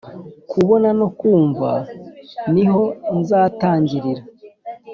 kubona no kumva niho nzatangirira